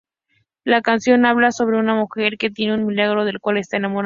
La canción habla sobre una mujer que tiene un amigo del cual está enamorada.